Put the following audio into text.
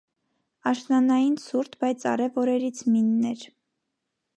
Աշնանային ցուրտ, բայց արև օրերից մինն էր: